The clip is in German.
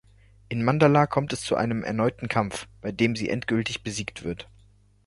In Mandala kommt es zu einem erneuten Kampf, bei dem sie endgültig besiegt wird.